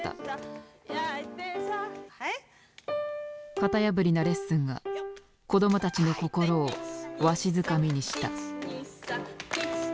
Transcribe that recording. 型破りなレッスンが子供たちの心をわしづかみにした。